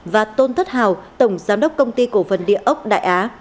và tôn thất hào tổng giám đốc công ty cổ phần địa ốc đại á